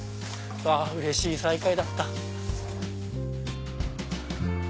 うれしい再会だった。